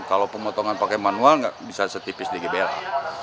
kalau pemotongan pakai manual nggak bisa setipis di gbla